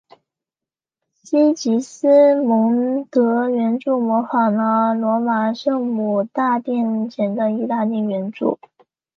西吉斯蒙德圆柱模仿了罗马圣母大殿前的意大利圆柱。